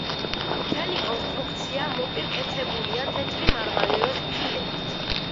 მთელი კონსტრუქცია მოპირკეთებულია თეთრი მარმარილოს ფილებით.